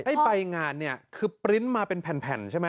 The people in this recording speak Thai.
ใบงานเนี่ยคือปริ้นต์มาเป็นแผ่นใช่ไหม